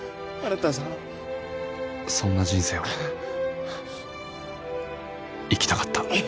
そんな人生を生きたかった